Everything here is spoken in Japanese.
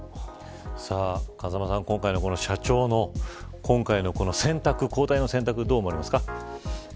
風間さん、今回の社長の交代の選択、どう思われますか。